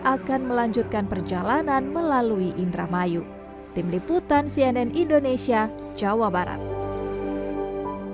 akan melanjutkan perjalanan melalui indramayu tim liputan cnn indonesia jawa barat